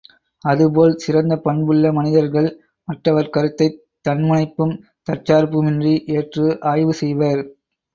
அதுபோல் சிறந்த பண்புள்ள மனிதர்கள் மற்றவர் கருத்தைத் தன்முனைப்பும் தற்சார்புமின்றி ஏற்று ஆய்வு செய்வர்.